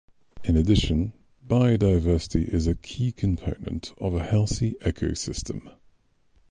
In addition, biodiversity is a key component of a healthy ecosystem.